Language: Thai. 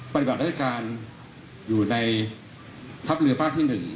ปฏิบัติราชการอยู่ในทัพเรือภาคที่๑